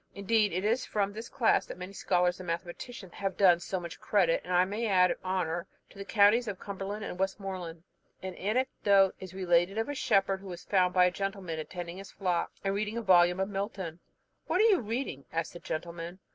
Indeed, it is from this class that many scholars and mathematicians have done so much credit, and I may add honour, to the counties of Cumberland and Westmoreland. An anecdote is related of a shepherd, who was found by a gentleman attending his flock, and reading a volume of Milton. "What are you reading?" asked the gentleman.